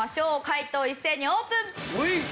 解答一斉にオープン！